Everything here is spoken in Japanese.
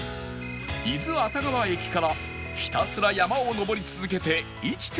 伊豆熱川駅からひたすら山を登り続けて １．６ キロ